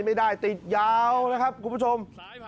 ติดยาวนะครับคุณผู้ชม